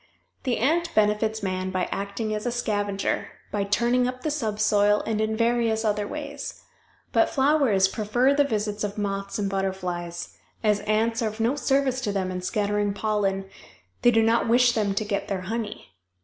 The ant benefits man by acting as a scavenger, by turning up the subsoil, and in various other ways. But flowers prefer the visits of moths and butterflies; as ants are of no service to them in scattering pollen, they do not wish them to get their honey.